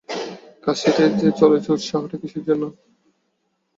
কাশীতে যে চলেছ, উৎসাহটা কিসের জন্যে?